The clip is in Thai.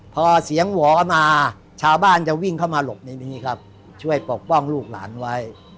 พอเสียงหวอมาชาวบ้านจะวิ่งเข้ามาหลบในนี้ครับช่วยปกป้องลูกหลานไว้